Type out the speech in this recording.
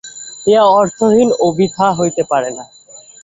ইহা অর্থহীন ও বৃথা হইতে পারে না।